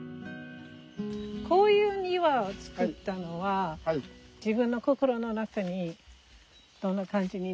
こういう庭を造ったのは自分の心の中にどんな感じになった？